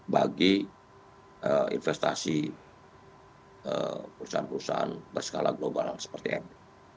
bagi investasi perusahaan perusahaan berskala global seperti mu